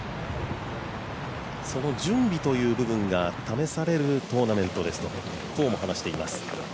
その準備という部分が試されるトーナメントですと話しています。